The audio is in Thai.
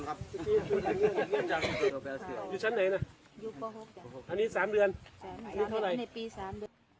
แต่สามีไม่ซ้ำกันครับ